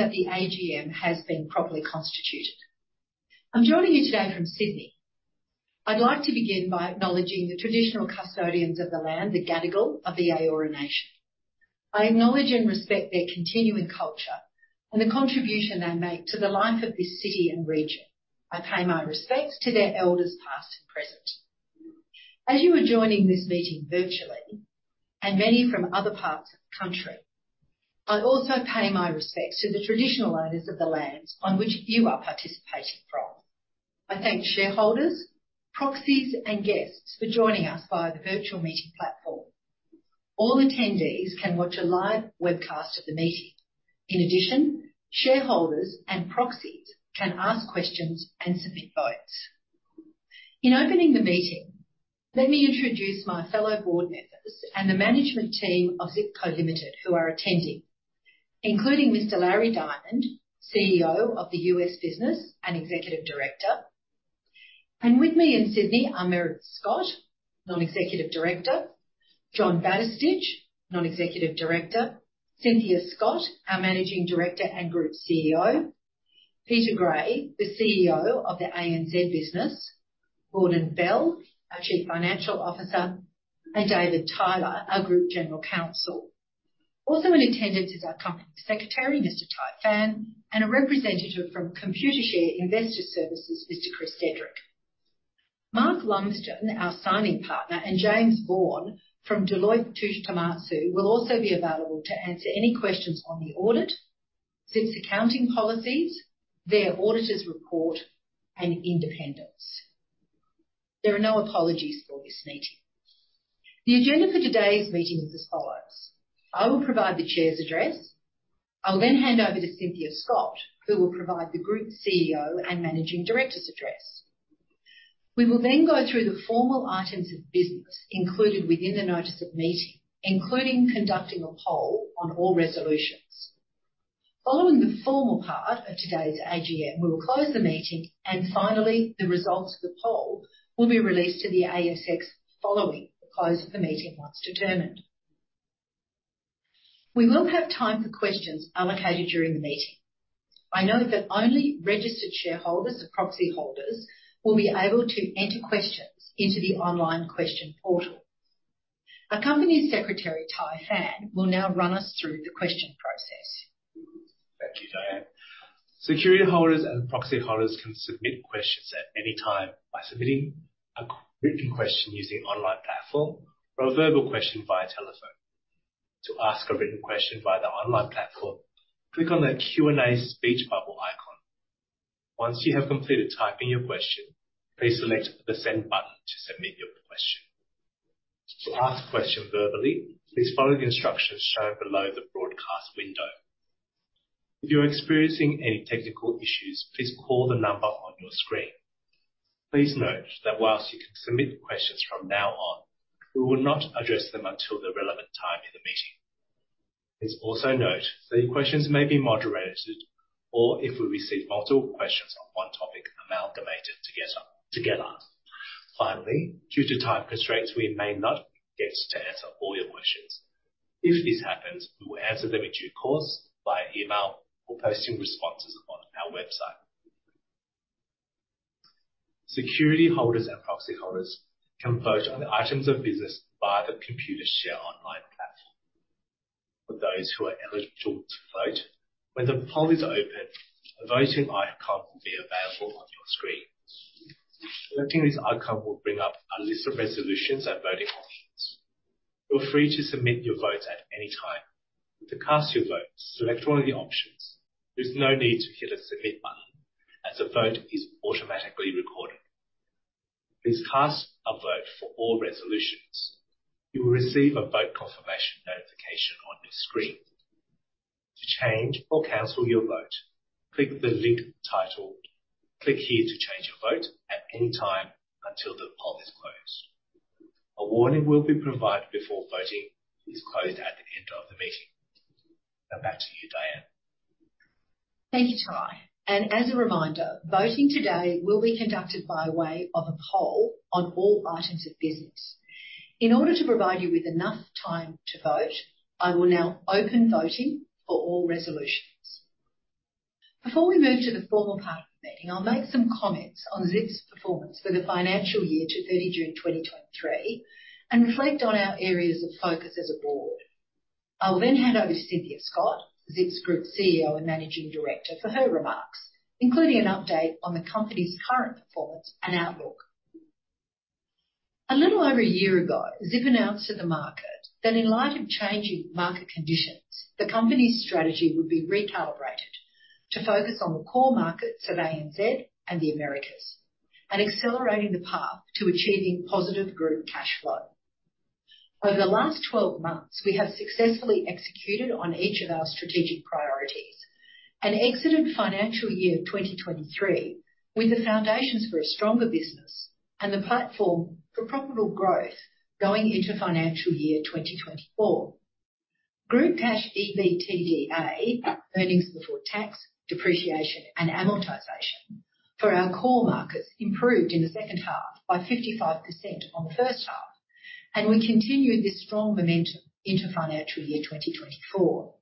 That the AGM has been properly constituted. I'm joining you today from Sydney. I'd like to begin by acknowledging the traditional custodians of the land, the Gadigal of the Eora Nation. I acknowledge and respect their continuing culture and the contribution they make to the life of this city and region. I pay my respects to their elders, past and present. As you are joining this meeting virtually, and many from other parts of the country, I also pay my respects to the traditional owners of the lands on which you are participating from. I thank shareholders, proxies, and guests for joining us via the virtual meeting platform. All attendees can watch a live webcast of the meeting. In addition, shareholders and proxies can ask questions and submit votes. In opening the meeting, let me introduce my fellow board members and the management team of Zip Co Limited, who are attending, including Mr. Larry Diamond, CEO of the U.S. Business and Executive Director. With me in Sydney are Meredith Scott, Non-Executive Director, John Batistich, Non-Executive Director, Cynthia Scott, our Managing Director and Group CEO, Peter Gray, the CEO of the ANZ business, Gordon Bell, our Chief Financial Officer, and David Tyler, our Group General Counsel. Also in attendance is our Company Secretary, Mr. Tai Phan, and a representative from Computershare Investor Services, Mr. Chris Dedrick. Mark Lumsden, our signing partner, and James Bourne from Deloitte Touche Tohmatsu, will also be available to answer any questions on the audit, Zip's accounting policies, their auditor's report, and independence. There are no apologies for this meeting. The agenda for today's meeting is as follows: I will provide the Chair's address. I will then hand over to Cynthia Scott, who will provide the Group CEO and Managing Director's address. We will then go through the formal items of business included within the notice of meeting, including conducting a poll on all resolutions. Following the formal part of today's AGM, we will close the meeting, and finally, the results of the poll will be released to the ASX following the close of the meeting, once determined. We will have time for questions allocated during the meeting. I note that only registered shareholders or proxy holders will be able to enter questions into the online question portal. Our Company Secretary, Tai Phan, will now run us through the question process. Thank you, Diane. Security holders and proxy holders can submit questions at any time by submitting a written question using the online platform or a verbal question via telephone. To ask a written question via the online platform, click on the Q&A speech bubble icon. Once you have completed typing your question, please select the Send button to submit your question. To ask a question verbally, please follow the instructions shown below the broadcast window. If you are experiencing any technical issues, please call the number on your screen. Please note that while you can submit questions from now on, we will not address them until the relevant time in the meeting. Please also note that your questions may be moderated or, if we receive multiple questions on one topic, amalgamated together. Finally, due to time constraints, we may not get to answer all your questions. If this happens, we will answer them in due course via email or posting responses on our website. Security holders and proxy holders can vote on the items of business via the Computershare online platform. For those who are eligible to vote, when the poll is open, a voting icon will be available on your screen. Selecting this icon will bring up a list of resolutions and voting options. Feel free to submit your votes at any time. To cast your votes, select one of the options. There's no need to hit a Submit button, as the vote is automatically recorded. Please cast a vote for all resolutions. You will receive a vote confirmation notification on your screen. To change or cancel your vote, click the link title. Click here to change your vote at any time until the poll is closed. A warning will be provided before voting is closed at the end of the meeting. Now back to you, Diane. Thank you, Tai. As a reminder, voting today will be conducted by way of a poll on all items of business. In order to provide you with enough time to vote, I will now open voting for all resolutions. Before we move to the formal part of the meeting, I'll make some comments on ZIP's performance for the financial year to 30 June 2023, and reflect on our areas of focus as a board. I'll then hand over to Cynthia Scott, ZIP's Group CEO and Managing Director, for her remarks, including an update on the company's current performance and outlook. A little over a year ago, ZIP announced to the market that in light of changing market conditions, the company's strategy would be recalibrated to focus on the core markets of ANZ and the Americas and accelerating the path to achieving positive group cash flow. Over the last 12 months, we have successfully executed on each of our strategic priorities and exited financial year 2023 with the foundations for a stronger business and the platform for profitable growth going into financial year 2024. Group cash EBITDA, earnings before tax, depreciation, and amortization for our core markets improved in the second half by 55% on the first half, and we continued this strong momentum into financial year 2024.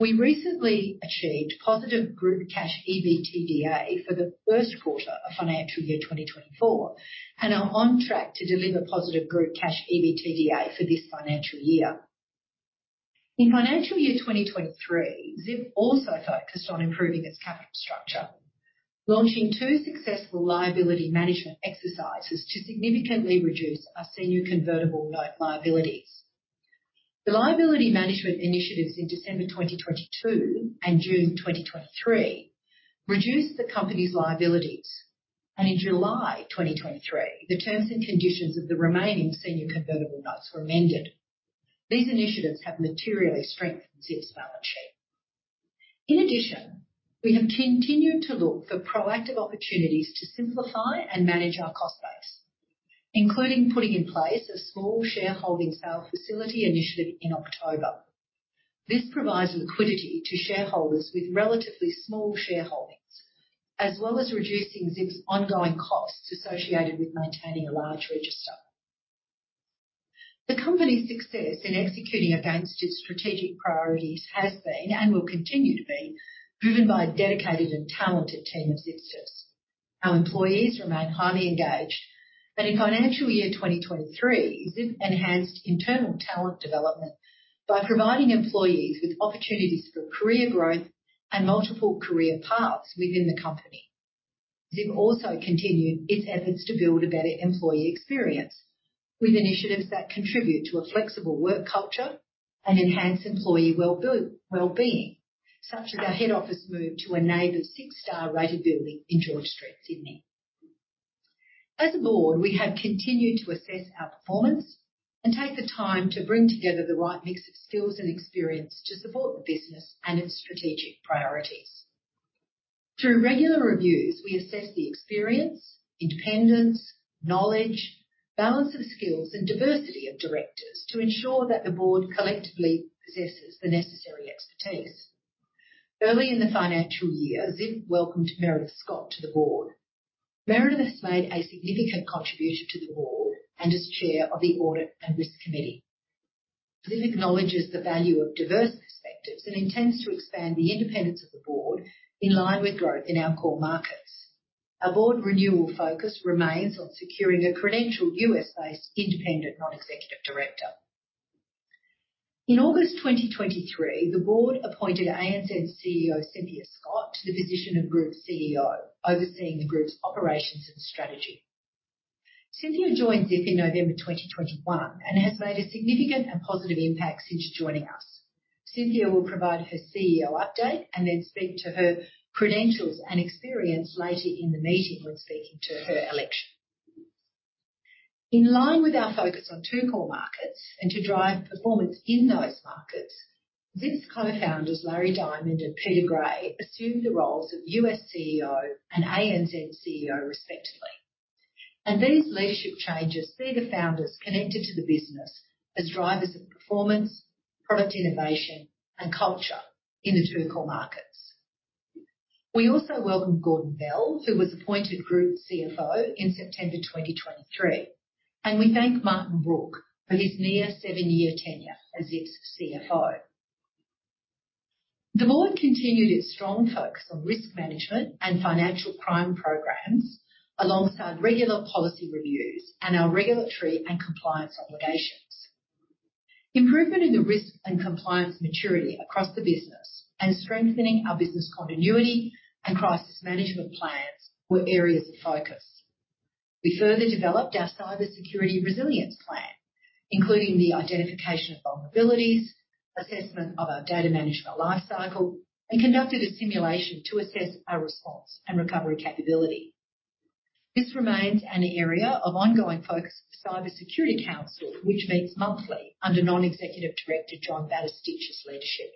We recently achieved positive group cash EBITDA for the first quarter of financial year 2024 and are on track to deliver positive group cash EBITDA for this financial year. In financial year 2023, Zip also focused on improving its capital structure, launching two successful liability management exercises to significantly reduce our senior convertible note liabilities. The liability management initiatives in December 2022 and June 2023 reduced the company's liabilities, and in July 2023, the terms and conditions of the remaining senior convertible notes were amended. These initiatives have materially strengthened Zip's balance sheet. In addition, we have continued to look for proactive opportunities to simplify and manage our cost base, including putting in place a small shareholding sale facility initiative in October. This provides liquidity to shareholders with relatively small shareholdings, as well as reducing Zip's ongoing costs associated with maintaining a large register. The company's success in executing against its strategic priorities has been, and will continue to be, driven by a dedicated and talented team of Zipsters. Our employees remain highly engaged, and in financial year 2023, Zip enhanced internal talent development by providing employees with opportunities for career growth and multiple career paths within the company. Zip also continued its efforts to build a better employee experience, with initiatives that contribute to a flexible work culture and enhance employee well-being, such as our head office move to a NABERS six-star rated building in George Street, Sydney. As a board, we have continued to assess our performance and take the time to bring together the right mix of skills and experience to support the business and its strategic priorities. Through regular reviews, we assess the experience, independence, knowledge, balance of skills, and diversity of directors to ensure that the board collectively possesses the necessary expertise. Early in the financial year, Zip welcomed Meredith Scott to the board. Meredith has made a significant contribution to the board and is Chair of the Audit and Risk Committee. Zip acknowledges the value of diverse perspectives and intends to expand the independence of the board in line with growth in our core markets. Our board renewal focus remains on securing a credentialed US-based independent non-executive director. In August 2023, the board appointed ANZ CEO, Cynthia Scott, to the position of Group CEO, overseeing the group's operations and strategy. Cynthia joined Zip in November 2021 and has made a significant and positive impact since joining us. Cynthia will provide her CEO update and then speak to her credentials and experience later in the meeting when speaking to her election. In line with our focus on two core markets and to drive performance in those markets, Zip's co-founders, Larry Diamond and Peter Gray, assumed the roles of U.S. CEO and ANZ CEO respectively. These leadership changes see the founders connected to the business as drivers of performance, product innovation, and culture in the two core markets. We also welcomed Gordon Bell, who was appointed Group CFO in September 2023, and we thank Martin Brooke for his near seven-year tenure as Zip's CFO. The board continued its strong focus on risk management and financial crime programs, alongside regular policy reviews and our regulatory and compliance obligations. Improvement in the risk and compliance maturity across the business and strengthening our business continuity and crisis management plans were areas of focus. We further developed our cybersecurity resilience plan, including the identification of vulnerabilities, assessment of our data management lifecycle, and conducted a simulation to assess our response and recovery capability. This remains an area of ongoing focus for the Cybersecurity Council, which meets monthly under Non-Executive Director John Batistich's leadership.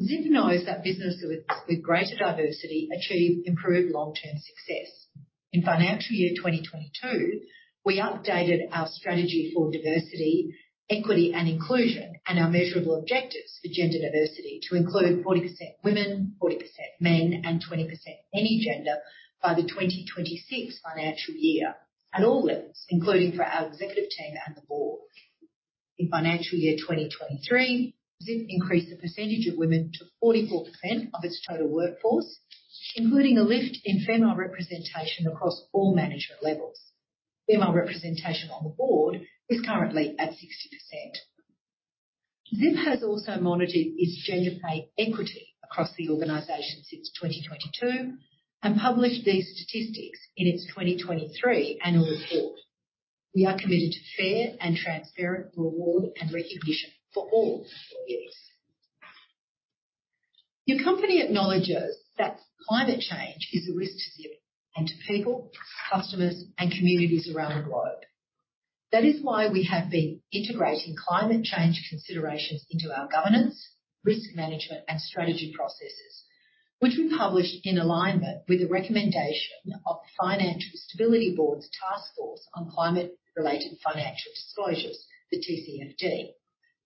Zip knows that businesses with greater diversity achieve improved long-term success. In financial year 2022, we updated our strategy for diversity, equity, and inclusion, and our measurable objectives for gender diversity to include 40% women, 40% men, and 20% any gender by the 2026 financial year at all levels, including for our executive team and the board. In financial year 2023, Zip increased the percentage of women to 44% of its total workforce, including a lift in female representation across all management levels. Female representation on the board is currently at 60%. Zip has also monitored its gender pay equity across the organization since 2022 and published these statistics in its 2023 annual report. We are committed to fair and transparent reward and recognition for all employees. Your company acknowledges that climate change is a risk to Zip and to people, customers, and communities around the globe. That is why we have been integrating climate change considerations into our governance, risk management, and strategy processes, which we published in alignment with the recommendation of the Financial Stability Board's Task Force on Climate-related Financial Disclosures, the TCFD,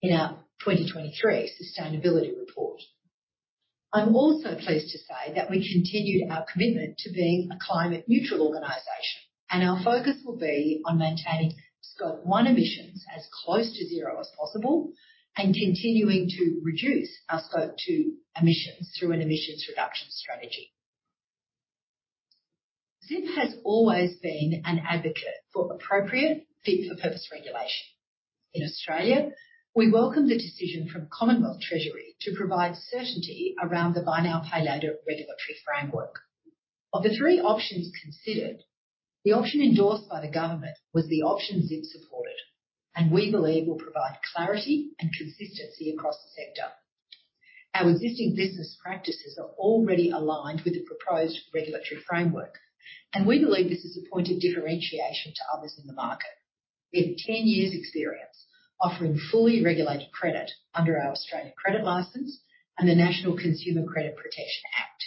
in our 2023 sustainability report. I'm also pleased to say that we continued our commitment to being a climate neutral organization, and our focus will be on maintaining Scope 1 emissions as close to zero as possible and continuing to reduce our Scope 2 emissions through an emissions reduction strategy. Zip has always been an advocate for appropriate, fit-for-purpose regulation. In Australia, we welcome the decision from Commonwealth Treasury to provide certainty around the buy now, pay later regulatory framework. Of the three options considered, the option endorsed by the government was the option Zip supported, and we believe will provide clarity and consistency across the sector. Our existing business practices are already aligned with the proposed regulatory framework, and we believe this is a point of differentiation to others in the market. We have ten years experience offering fully regulated credit under our Australian Credit License and the National Consumer Credit Protection Act.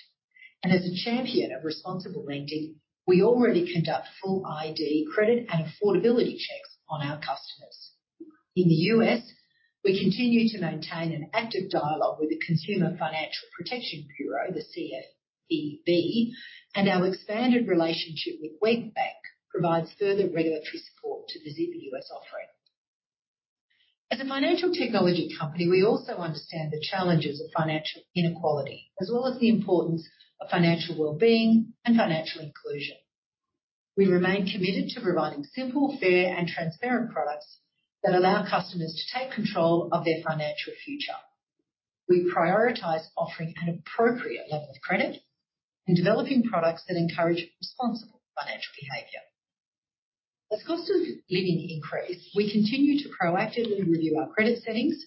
As a champion of responsible lending, we already conduct full ID, credit, and affordability checks on our customers. In the U.S., we continue to maintain an active dialogue with the Consumer Financial Protection Bureau, the CFPB, and our expanded relationship with WebBank, provides further regulatory support to the Zip U.S. offering. As a financial technology company, we also understand the challenges of financial inequality, as well as the importance of financial well-being and financial inclusion. We remain committed to providing simple, fair, and transparent products that allow customers to take control of their financial future. We prioritize offering an appropriate level of credit and developing products that encourage responsible financial behavior. As cost of living increase, we continue to proactively review our credit settings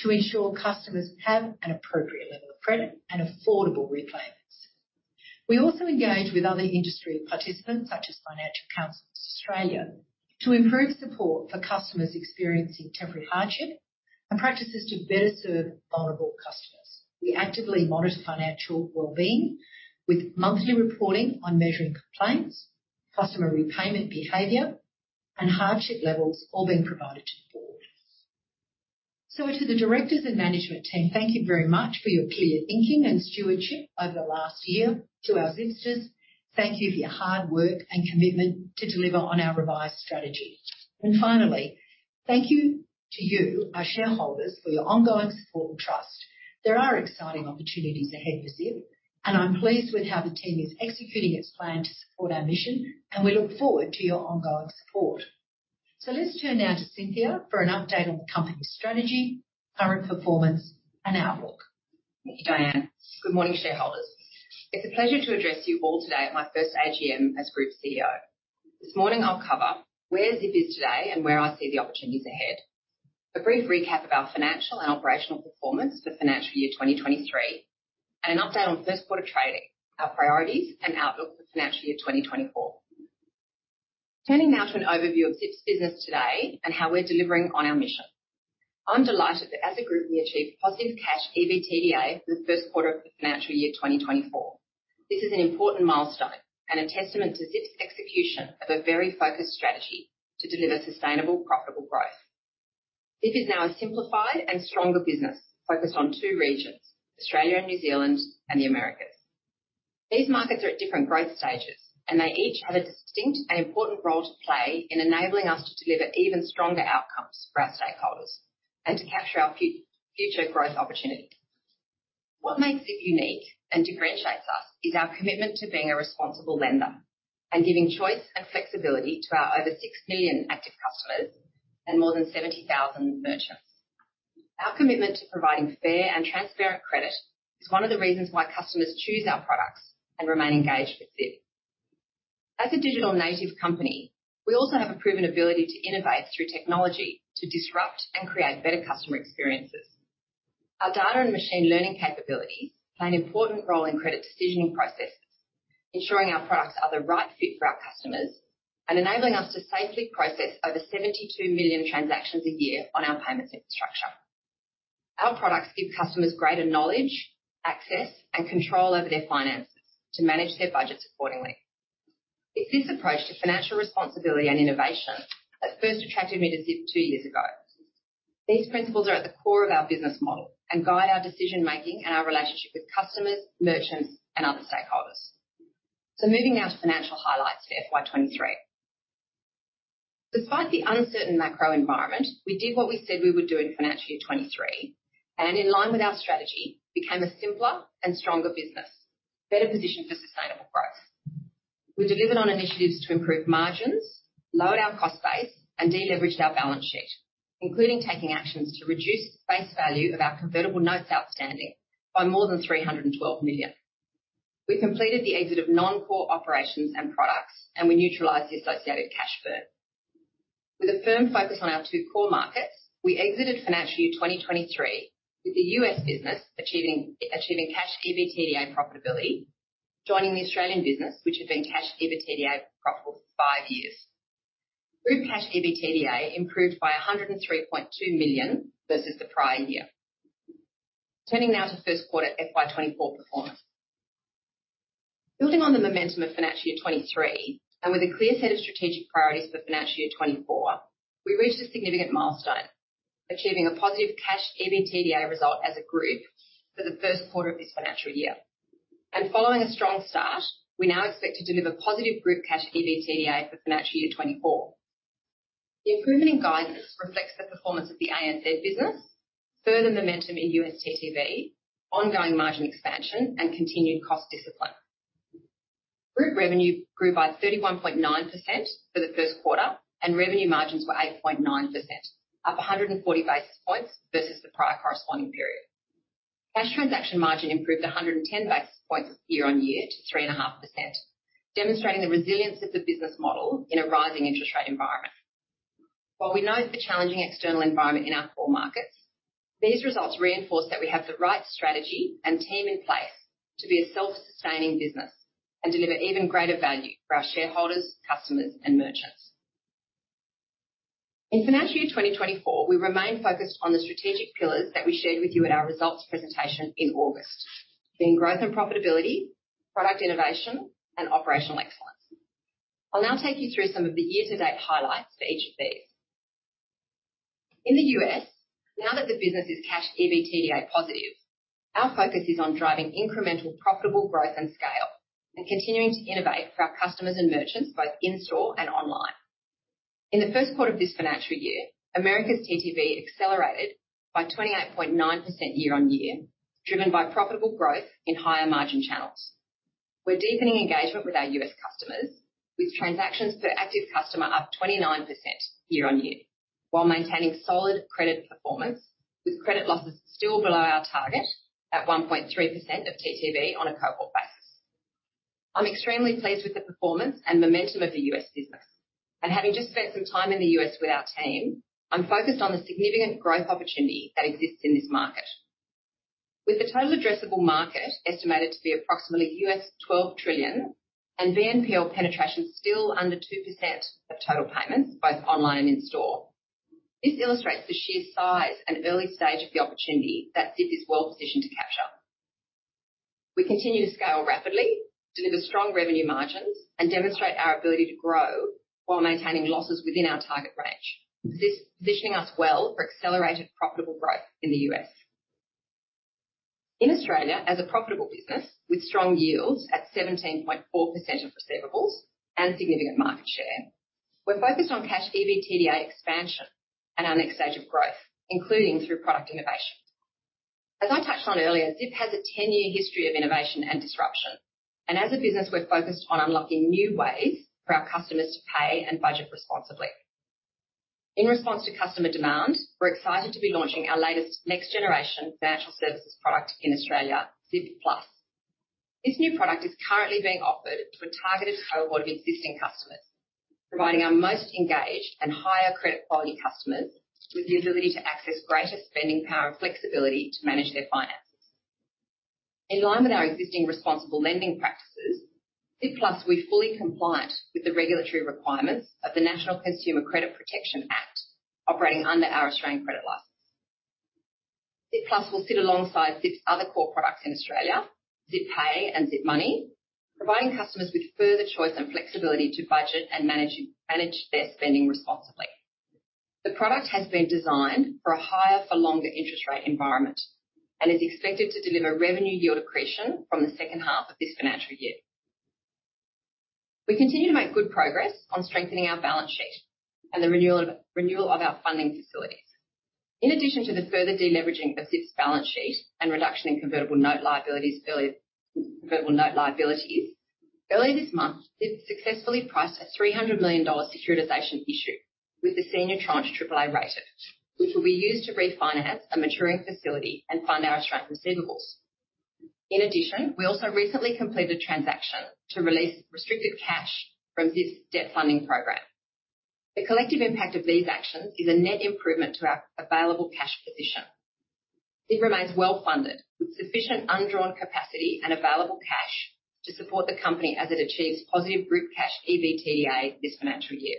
to ensure customers have an appropriate level of credit and affordable repayments. We also engage with other industry participants, such as Financial Counselling Australia, to improve support for customers experiencing temporary hardship and practices to better serve vulnerable customers. We actively monitor financial well-being with monthly reporting on measuring complaints, customer repayment behavior, and hardship levels all being provided to the board. To the directors and management team, thank you very much for your clear thinking and stewardship over the last year. To our Zipsters, thank you for your hard work and commitment to deliver on our revised strategy. Finally, thank you to you, our shareholders, for your ongoing support and trust. There are exciting opportunities ahead for Zip, and I'm pleased with how the team is executing its plan to support our mission, and we look forward to your ongoing support. Let's turn now to Cynthia for an update on the company's strategy, current performance, and outlook. Thank you, Diane. Good morning, shareholders. It's a pleasure to address you all today at my first AGM as Group CEO. This morning I'll cover where Zip is today and where I see the opportunities ahead. A brief recap of our financial and operational performance for financial year 2023, and an update on first quarter trading, our priorities, and outlook for financial year 2024. Turning now to an overview of Zip's business today and how we're delivering on our mission. I'm delighted that as a group, we achieved positive cash EBITDA for the first quarter of the financial year 2024. This is an important milestone and a testament to Zip's execution of a very focused strategy to deliver sustainable, profitable growth. Zip is now a simplified and stronger business focused on two regions, Australia and New Zealand and the Americas. These markets are at different growth stages, and they each have a distinct and important role to play in enabling us to deliver even stronger outcomes for our stakeholders and to capture our future growth opportunities. What makes Zip unique and differentiates us is our commitment to being a responsible lender and giving choice and flexibility to our over 6 million active customers and more than 70,000 merchants. Our commitment to providing fair and transparent credit is one of the reasons why customers choose our products and remain engaged with Zip. As a digital native company, we also have a proven ability to innovate through technology, to disrupt and create better customer experiences. Our data and machine learning capabilities play an important role in credit decisioning processes, ensuring our products are the right fit for our customers and enabling us to safely process over 72 million transactions a year on our payments infrastructure. Our products give customers greater knowledge, access, and control over their finances to manage their budgets accordingly. It's this approach to financial responsibility and innovation that first attracted me to Zip two years ago. These principles are at the core of our business model and guide our decision-making and our relationship with customers, merchants, and other stakeholders. So moving now to financial highlights for FY 2023. Despite the uncertain macro environment, we did what we said we would do in financial year 2023, and in line with our strategy, became a simpler and stronger business, better positioned for sustainable growth. We delivered on initiatives to improve margins, lower our cost base, and de-leveraged our balance sheet, including taking actions to reduce the face value of our convertible notes outstanding by more than 312 million. We completed the exit of non-core operations and products, and we neutralized the associated cash burn. With a firm focus on our two core markets, we exited financial year 2023 with the U.S. business achieving cash EBITDA profitability, joining the Australian business, which had been cash EBITDA profitable for five years. Group cash EBITDA improved by 103.2 million versus the prior year. Turning now to first quarter FY 2024 performance.... Building on the momentum of financial year 2023, and with a clear set of strategic priorities for financial year 2024, we reached a significant milestone, achieving a positive cash EBITDA result as a group for the first quarter of this financial year. Following a strong start, we now expect to deliver positive group cash EBITDA for financial year 2024. The improvement in guidance reflects the performance of the ANZ business, further momentum in U.S. TTV, ongoing margin expansion, and continued cost discipline. Group revenue grew by 31.9% for the first quarter, and revenue margins were 8.9%, up 140 basis points versus the prior corresponding period. Cash transaction margin improved 110 basis points year-on-year to 3.5%, demonstrating the resilience of the business model in a rising interest rate environment. While we know the challenging external environment in our core markets, these results reinforce that we have the right strategy and team in place to be a self-sustaining business and deliver even greater value for our shareholders, customers, and merchants. In financial year 2024, we remain focused on the strategic pillars that we shared with you at our results presentation in August. Being growth and profitability, product innovation, and operational excellence. I'll now take you through some of the year-to-date highlights for each of these. In the U.S., now that the business is cash EBITDA positive, our focus is on driving incremental, profitable growth and scale and continuing to innovate for our customers and merchants, both in-store and online. In the first quarter of this financial year, America's TTV accelerated by 28.9% year-on-year, driven by profitable growth in higher margin channels. We're deepening engagement with our U.S. customers, with transactions per active customer up 29% year-on-year, while maintaining solid credit performance, with credit losses still below our target at 1.3% of TTV on a cohort basis. I'm extremely pleased with the performance and momentum of the U.S. business, and having just spent some time in the U.S. with our team, I'm focused on the significant growth opportunity that exists in this market. With the total addressable market estimated to be approximately $12 trillion and BNPL penetration still under 2% of total payments, both online and in-store, this illustrates the sheer size and early stage of the opportunity that Zip is well positioned to capture. We continue to scale rapidly, deliver strong revenue margins, and demonstrate our ability to grow while maintaining losses within our target range. This positioning us well for accelerated profitable growth in the U.S. In Australia, as a profitable business with strong yields at 17.4% of receivables and significant market share, we're focused on Cash EBITDA expansion and our next stage of growth, including through product innovation. As I touched on earlier, Zip has a 10-year history of innovation and disruption, and as a business, we're focused on unlocking new ways for our customers to pay and budget responsibly. In response to customer demand, we're excited to be launching our latest next generation financial services product in Australia, Zip Plus. This new product is currently being offered to a targeted cohort of existing customers, providing our most engaged and higher credit quality customers with the ability to access greater spending power and flexibility to manage their finances. In line with our existing responsible lending practices, Zip Plus will be fully compliant with the regulatory requirements of the National Consumer Credit Protection Act, operating under our Australian Credit Licence. Zip Plus will sit alongside Zip's other core products in Australia, Zip Pay and Zip Money, providing customers with further choice and flexibility to budget and manage their spending responsibly. The product has been designed for a higher-for-longer interest rate environment and is expected to deliver revenue yield accretion from the second half of this financial year. We continue to make good progress on strengthening our balance sheet and the renewal of our funding facilities. In addition to the further de-leveraging of Zip's balance sheet and reduction in convertible note liabilities earlier... convertible note liabilities, earlier this month, Zip successfully priced a 300 million dollar securitization issue with the senior tranche AAA-rated, which will be used to refinance a maturing facility and fund our Australian receivables. In addition, we also recently completed transaction to release restricted cash from this debt funding program. The collective impact of these actions is a net improvement to our available cash position. Zip remains well funded, with sufficient undrawn capacity and available cash to support the company as it achieves positive group Cash EBITDA this financial year.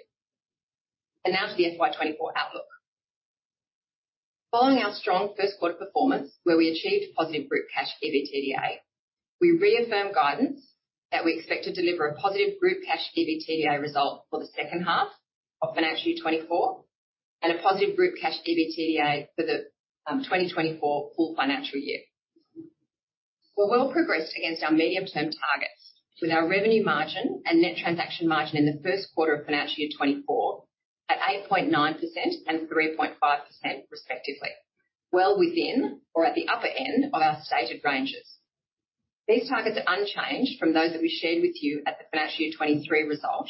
And now to the FY 2024 outlook. Following our strong first quarter performance, where we achieved positive group Cash EBITDA, we reaffirm guidance that we expect to deliver a positive group Cash EBITDA result for the second half of financial year 2024, and a positive group Cash EBITDA for the 2024 full financial year. We're well progressed against our medium-term targets, with our revenue margin and net transaction margin in the first quarter of financial year 2024 at 8.9% and 3.5% respectively, well within or at the upper end of our stated ranges. These targets are unchanged from those that we shared with you at the financial year 2023 result,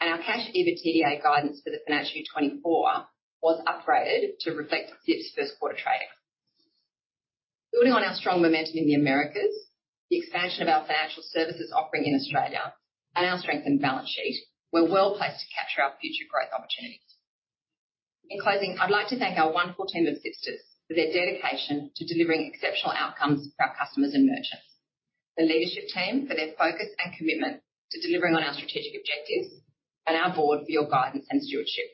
and our cash EBITDA guidance for the financial year 2024 was upgraded to reflect Zip's first quarter trading. Building on our strong momentum in the Americas, the expansion of our financial services offering in Australia and our strengthened balance sheet, we're well placed to capture our future growth opportunities. In closing, I'd like to thank our wonderful team of Zipsters for their dedication to delivering exceptional outcomes for our customers and merchants, the leadership team for their focus and commitment to delivering on our strategic objectives, and our board for your guidance and stewardship.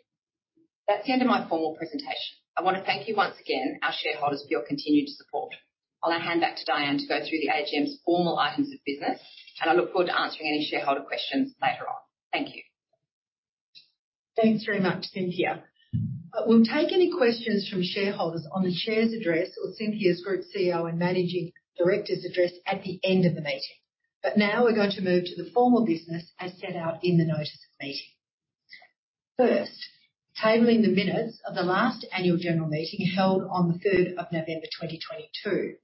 That's the end of my formal presentation. I want to thank you once again, our shareholders, for your continued support. I'll now hand back to Diane to go through the AGM's formal items of business, and I look forward to answering any shareholder questions later on. Thank you. Thanks very much, Cynthia. We'll take any questions from shareholders on the chair's address or Cynthia's Group CEO and Managing Director's address at the end of the meeting. But now we're going to move to the formal business as set out in the notice of meeting. First, tabling the minutes of the last annual general meeting, held on the third of November, 2022.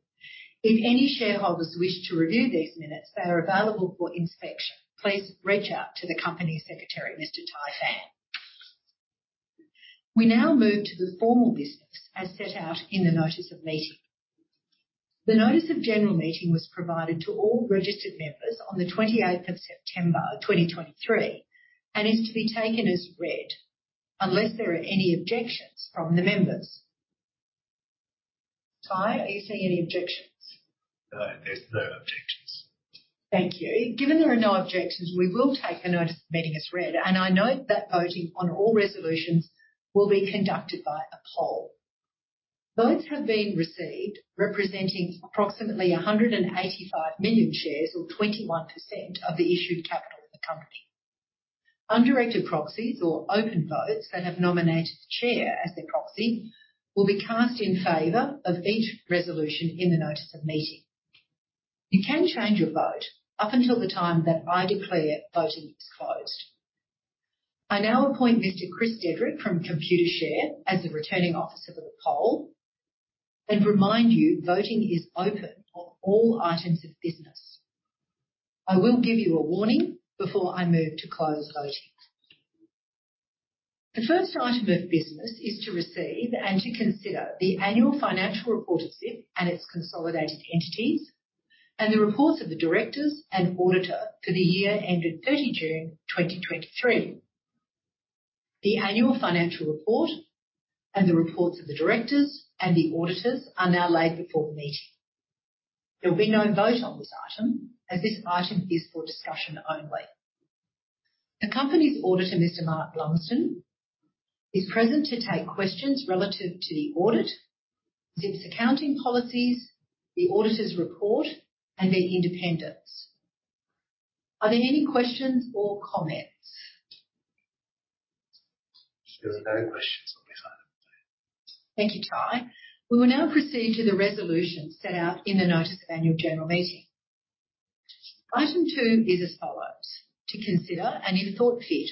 If any shareholders wish to review these minutes, they are available for inspection. Please reach out to the company secretary, Mr. Tai Phan. We now move to the formal business as set out in the notice of meeting. The notice of general meeting was provided to all registered members on the 28th of September, 2023, and is to be taken as read, unless there are any objections from the members. Tai, are you seeing any objections? No, there's no objections. Thank you. Given there are no objections, we will take the notice of meeting as read, and I note that voting on all resolutions will be conducted by a poll. Votes have been received, representing approximately 185 million shares, or 21% of the issued capital of the company. Undirected proxies or open votes that have nominated the Chair as their proxy will be cast in favor of each resolution in the notice of meeting. You can change your vote up until the time that I declare voting is closed. I now appoint Mr. Chris Dedrick from Computershare as the Returning Officer for the poll and remind you, voting is open on all items of business. I will give you a warning before I move to close voting. The first item of business is to receive and to consider the annual financial report of Zip and its consolidated entities, and the reports of the directors and auditor for the year ended 30 June 2023. The annual financial report and the reports of the directors and the auditors are now laid before the meeting. There will be no vote on this item, as this item is for discussion only. The company's auditor, Mr. Mark Bloom, is present to take questions relative to the audit, Zip's accounting policies, the auditor's report, and their independence. Are there any questions or comments? There are no questions on this item. Thank you, Tai. We will now proceed to the resolution set out in the notice of annual general meeting. Item two is as follows: To consider, and if thought fit,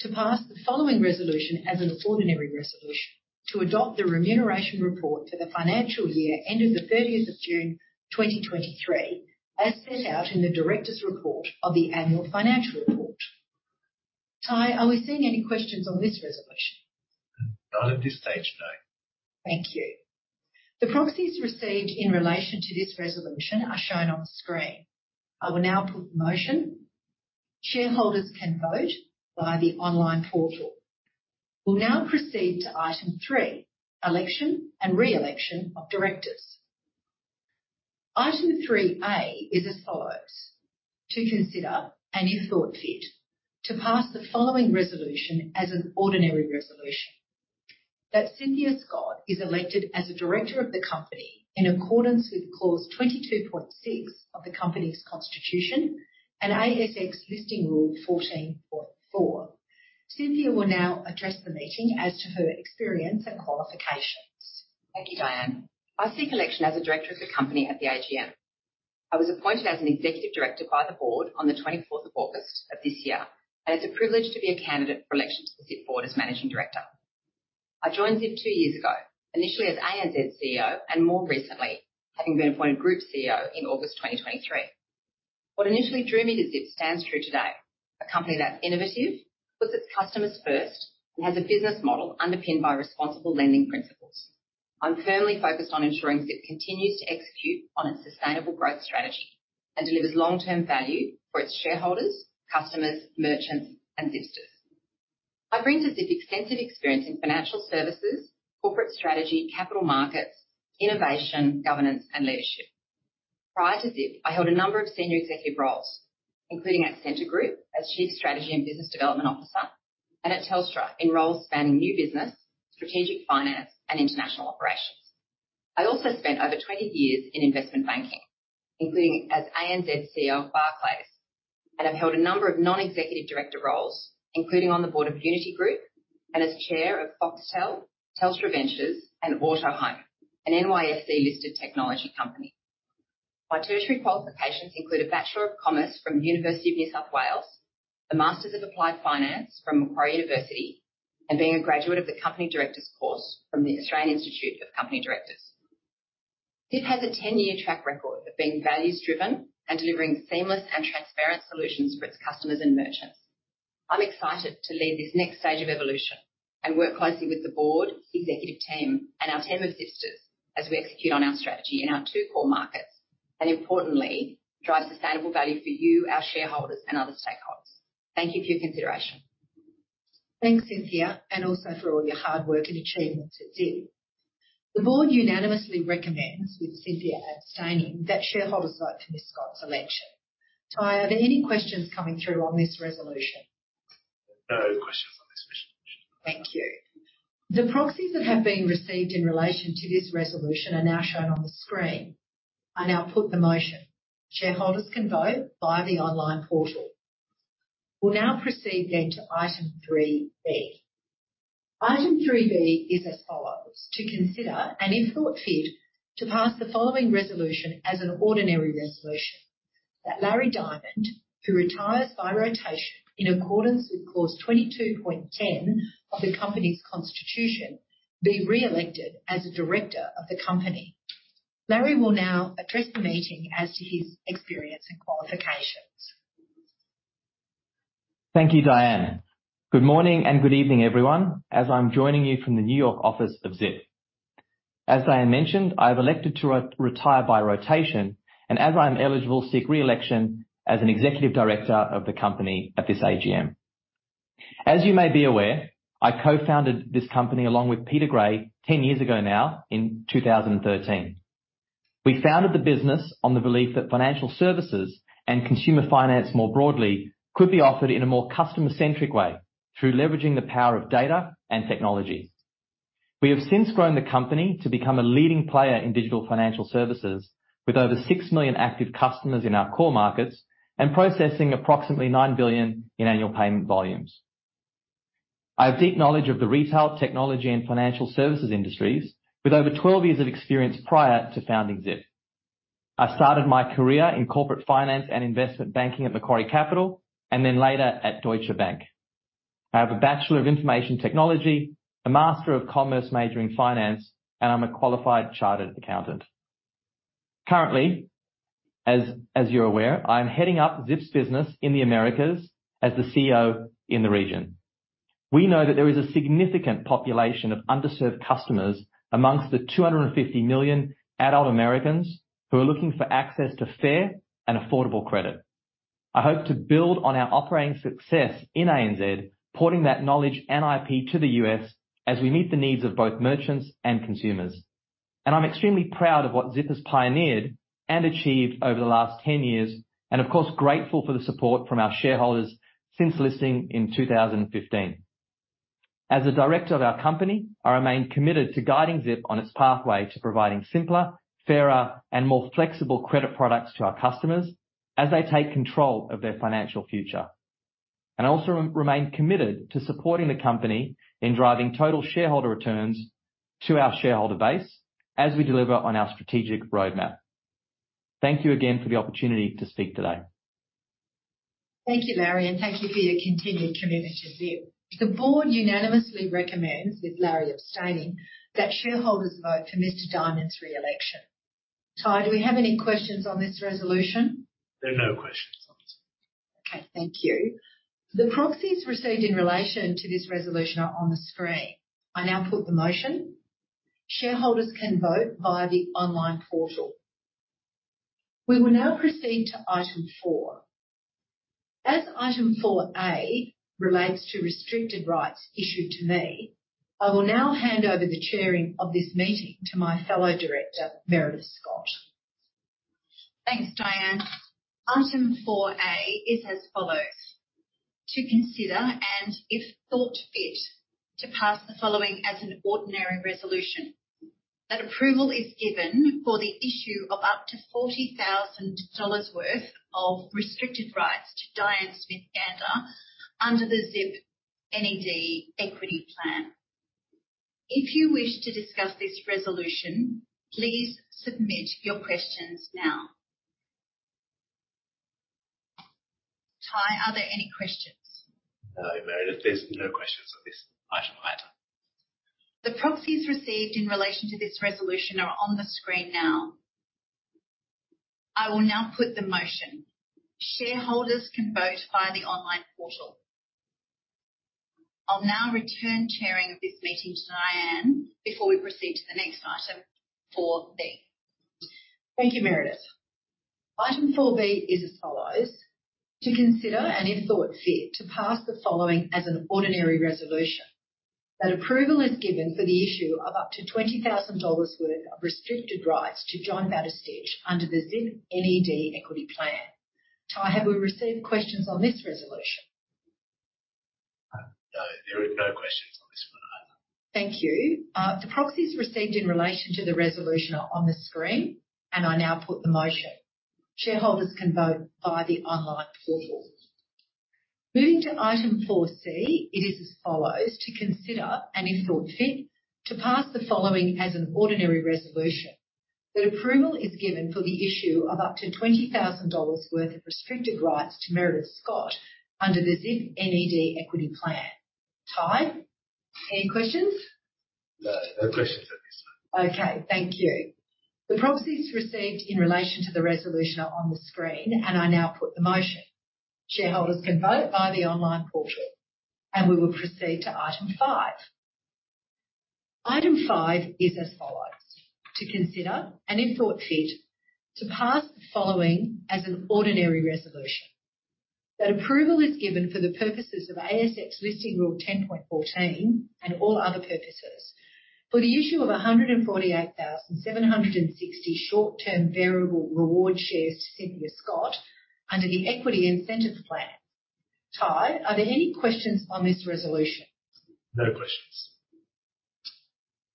to pass the following resolution as an ordinary resolution. To adopt the remuneration report for the financial year ended the thirtieth of June 2023, as set out in the directors' report of the annual financial report. Tai, are we seeing any questions on this resolution? Not at this stage, no. Thank you. The proxies received in relation to this resolution are shown on the screen. I will now put the motion. Shareholders can vote via the online portal. We'll now proceed to item three: election and re-election of directors. Item 3A is as follows: To consider, and if thought fit, to pass the following resolution as an ordinary resolution. That Cynthia Scott is elected as a director of the company in accordance with Clause 22.6 of the company's constitution and ASX Listing Rule 14.4. Cynthia will now address the meeting as to her experience and qualifications. Thank you, Diane. I seek election as a director of the company at the AGM. I was appointed as an executive director by the board on the 24th of August of this year, and it's a privilege to be a candidate for election to the Zip board as Managing Director. I joined Zip two years ago, initially as ANZ CEO, and more recently, having been appointed Group CEO in August 2023. What initially drew me to Zip stands true today. A company that's innovative, puts its customers first, and has a business model underpinned by responsible lending principles. I'm firmly focused on ensuring Zip continues to execute on its sustainable growth strategy and delivers long-term value for its shareholders, customers, merchants, and Zipsters. I bring to Zip extensive experience in financial services, corporate strategy, capital markets, innovation, governance, and leadership. Prior to Zip, I held a number of senior executive roles, including at Scentre Group as Chief Strategy and Business Development Officer, and at Telstra, in roles spanning new business, strategic finance, and international operations. I also spent over 20 years in investment banking, including as ANZ CEO of Barclays, and I've held a number of non-executive director roles, including on the board of Uniti Group and as chair of Foxtel, Telstra Ventures, and Autohome, an NYSE-listed technology company. My tertiary qualifications include a Bachelor of Commerce from the University of New South Wales, a Master's of Applied Finance from Macquarie University, and being a graduate of the Company Directors Course from the Australian Institute of Company Directors. Zip has a 10-year track record of being values-driven and delivering seamless and transparent solutions for its customers and merchants. I'm excited to lead this next stage of evolution and work closely with the board, executive team, and our team of sisters as we execute on our strategy in our two core markets, and importantly, drive sustainable value for you, our shareholders, and other stakeholders. Thank you for your consideration. Thanks, Cynthia, and also for all your hard work and achievements at Zip. The board unanimously recommends, with Cynthia abstaining, that shareholders vote for Ms. Scott's election. Tai, are there any questions coming through on this resolution? No questions on this resolution. Thank you. The proxies that have been received in relation to this resolution are now shown on the screen. I now put the motion. Shareholders can vote via the online portal. We'll now proceed then to item 3B. Item 3B is as follows: To consider, and if thought fit, to pass the following resolution as an ordinary resolution. That Larry Diamond, who retires by rotation in accordance with Clause 22.10 of the company's constitution, be re-elected as a director of the company. Larry will now address the meeting as to his experience and qualifications. Thank you, Diane. Good morning and good evening, everyone, as I'm joining you from the New York office of Zip. As Diane mentioned, I've elected to re-retire by rotation, and as I am eligible, seek re-election as an executive director of the company at this AGM. As you may be aware, I co-founded this company along with Peter Gray 10 years ago now, in 2013. We founded the business on the belief that financial services and consumer finance, more broadly, could be offered in a more customer-centric way through leveraging the power of data and technology. We have since grown the company to become a leading player in digital financial services, with over 6 million active customers in our core markets and processing approximately $9 billion in annual payment volumes. I have deep knowledge of the retail, technology, and financial services industries, with over 12 years of experience prior to founding Zip. I started my career in corporate finance and investment banking at Macquarie Capital and then later at Deutsche Bank. I have a Bachelor of Information Technology, a Master of Commerce major in Finance, and I'm a qualified chartered accountant. Currently, as you're aware, I'm heading up Zip's business in the Americas as the CEO in the region. We know that there is a significant population of underserved customers amongst the 250 million adult Americans who are looking for access to fair and affordable credit. I hope to build on our operating success in ANZ, porting that knowledge and IP to the U.S. as we meet the needs of both merchants and consumers. I'm extremely proud of what Zip has pioneered and achieved over the last 10 years and, of course, grateful for the support from our shareholders since listing in 2015. As a director of our company, I remain committed to guiding Zip on its pathway to providing simpler, fairer, and more flexible credit products to our customers as they take control of their financial future. I also remain committed to supporting the company in driving total shareholder returns to our shareholder base as we deliver on our strategic roadmap. Thank you again for the opportunity to speak today. Thank you, Larry, and thank you for your continued commitment to Zip. The board unanimously recommends, with Larry abstaining, that shareholders vote for Mr. Diamond's re-election. Tai, do we have any questions on this resolution? There are no questions on this. Okay, thank you. The proxies received in relation to this resolution are on the screen. I now put the motion. Shareholders can vote via the online portal. We will now proceed to item four. As item 4A relates to restricted rights issued to me, I will now hand over the chairing of this meeting to my fellow director, Meredith Scott. Thanks, Diane. Item 4A is as follows: To consider, and if thought fit, to pass the following as an ordinary resolution. That approval is given for the issue of up to 40,000 dollars worth of restricted rights to Diane Smith-Gander under the Zip NED Equity Plan. If you wish to discuss this resolution, please submit your questions now. Tai, are there any questions? Meredith, there's no questions on this item either. The proxies received in relation to this resolution are on the screen now. I will now put the motion. Shareholders can vote via the online portal. I'll now return chairing of this meeting to Diane before we proceed to the next item, 4B. Thank you, Meredith. Item 4B is as follows: To consider, and if thought fit, to pass the following as an ordinary resolution. That approval is given for the issue of up to 20,000 dollars worth of restricted rights to John Batistich under the Zip NED Equity Plan. Tai, have we received questions on this resolution? No, there are no questions on this one either. Thank you. The proxies received in relation to the resolution are on the screen, and I now put the motion. Shareholders can vote via the online portal. Moving to item 4C, it is as follows: To consider, and if thought fit, to pass the following as an ordinary resolution. That approval is given for the issue of up to 20,000 dollars worth of restricted rights to Meredith Scott under the Zip NED Equity Plan. Tai, any questions? No, no questions on this one. Okay, thank you. The proxies received in relation to the resolution are on the screen, and I now put the motion. Shareholders can vote via the online portal, and we will proceed to item five. Item five is as follows: To consider, and if thought fit, to pass the following as an ordinary resolution. That approval is given for the purposes of ASX Listing Rule 10.14, and all other purposes, for the issue of 148,760 short-term variable reward shares to Cynthia Scott under the Equity Incentive Plan. Tai, are there any questions on this resolution? No questions.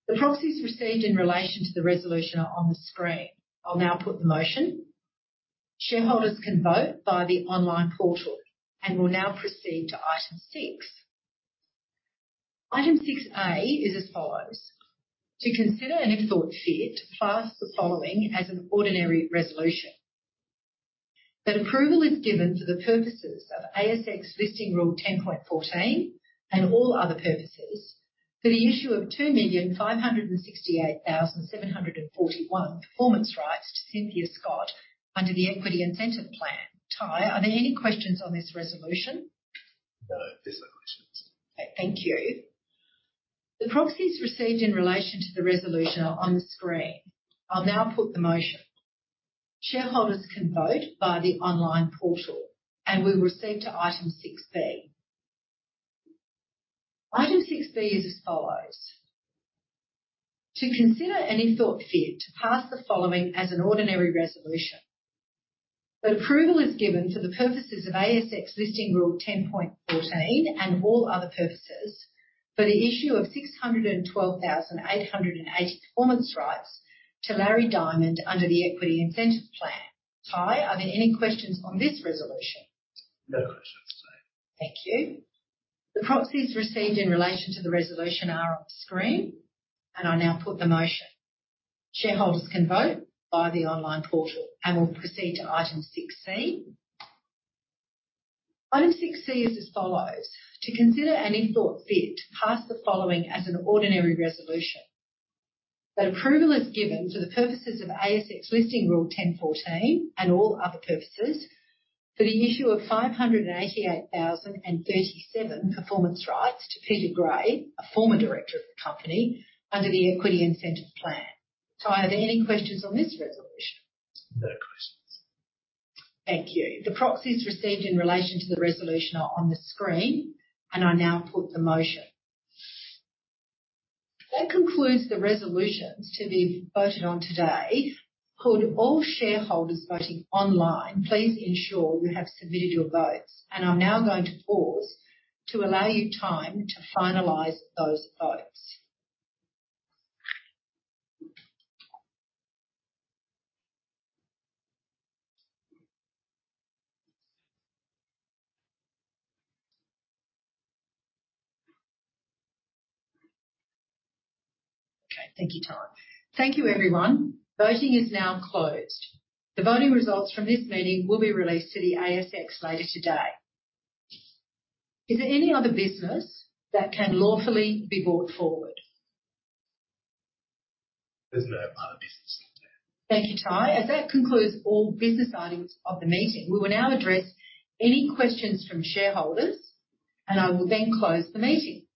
The proxies received in relation to the resolution are on the screen. I'll now put the motion. Shareholders can vote via the online portal, and we'll now proceed to item six. Item 6A is as follows: To consider, and if thought fit, pass the following as an ordinary resolution, that approval is given for the purposes of ASX Listing Rule 10.14, and all other purposes, for the issue of 2,568,741 performance rights to Cynthia Scott under the Equity Incentive Plan. Tai, are there any questions on this resolution? No, there's no questions. Thank you. The proxies received in relation to the resolution are on the screen. I'll now put the motion. Shareholders can vote via the online portal, and we'll proceed to Item 6B. Item 6B is as follows: To consider, and if thought fit, to pass the following as an ordinary resolution, that approval is given for the purposes of ASX Listing Rule 10.14, and all other purposes, for the issue of 612,880 performance rights to Larry Diamond under the equity incentives plan. Tai, are there any questions on this resolution? No questions. Thank you. The proxies received in relation to the resolution are on the screen, and I now put the motion. Shareholders can vote via the online portal, and we'll proceed to item 6C. Item 6C is as follows: To consider, and if thought fit, pass the following as an ordinary resolution, that approval is given for the purposes of ASX Listing Rule 10.14, and all other purposes, for the issue of 588,037 performance rights to Peter Gray, a former director of the company, under the equity incentives plan. Tai, are there any questions on this resolution? No questions. Thank you. The proxies received in relation to the resolution are on the screen, and I now put the motion. That concludes the resolutions to be voted on today. Could all shareholders voting online please ensure you have submitted your votes? I'm now going to pause to allow you time to finalize those votes. Okay, thank you, Tai. Thank you, everyone. Voting is now closed. The voting results from this meeting will be released to the ASX later today. Is there any other business that can lawfully be brought forward? There's no other business. Thank you, Tai. As that concludes all business items of the meeting, we will now address any questions from shareholders, and I will then close the meeting.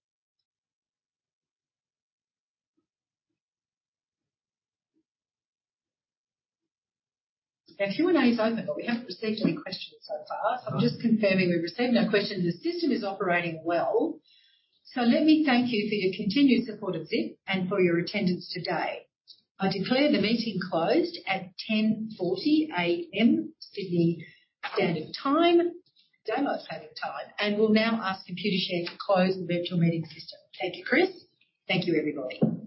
Now, Q&A is open, but we haven't received any questions so far. I'm just confirming we've received no questions. The system is operating well. Let me thank you for your continued support of Zip and for your attendance today. I declare the meeting closed at 10:40 A.M. Sydney Standard Time, Daylight Saving Time, and will now ask Computershare to close the virtual meeting system. Thank you, Chris. Thank you, everybody.